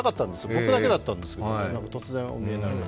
僕だけだったんですけど突然お見えになって。